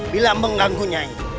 bila mengganggu nyai